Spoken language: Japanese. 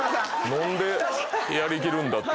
飲んでやり切るんだっていう。